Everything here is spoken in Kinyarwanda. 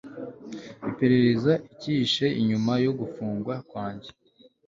iperereza icyihishe inyuma yo gufungwa kwange